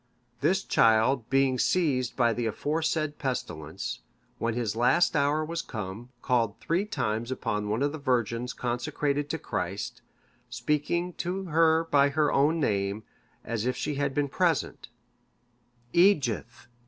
This child being seized by the aforesaid pestilence, when his last hour was come, called three times upon one of the virgins consecrated to Christ, speaking to her by her own name, as if she had been present, Eadgyth!